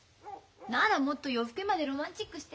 ならもっと夜更けまでロマンチックしてればいいじゃない。